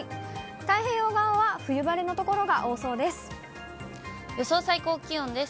太平洋側は冬晴れの所が多そうです。